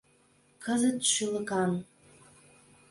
— Кызыт шӱлыкан.